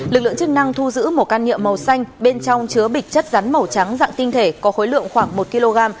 lực lượng chức năng thu giữ một can nhựa màu xanh bên trong chứa bịch chất rắn màu trắng dạng tinh thể có khối lượng khoảng một kg